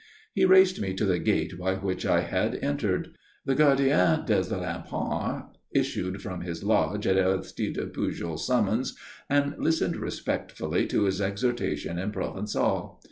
He raced me to the gate by which I had entered. The gardien des remparts issued from his lodge at Aristide Pujol's summons and listened respectfully to his exhortation in Provençal.